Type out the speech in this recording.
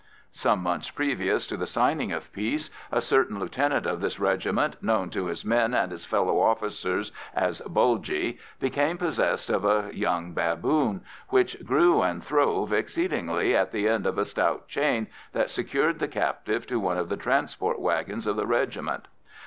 Some months previous to the signing of peace, a certain lieutenant of this regiment, known to his men and his fellow officers as "Bulgy," became possessed of a young baboon, which grew and throve exceedingly at the end of a stout chain that secured the captive to one of the transport wagons of the regiment.